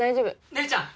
姉ちゃん